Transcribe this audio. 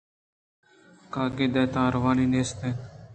کاگد ءِ تہا روانی نیست اَت